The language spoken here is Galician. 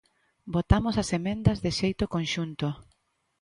Votamos as emendas de xeito conxunto.